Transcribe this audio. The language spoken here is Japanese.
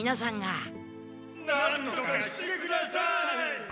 なんとかしてください。